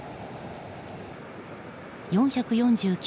４４９